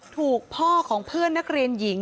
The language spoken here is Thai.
ถูกพ่อของเพื่อนนักเรียนหญิง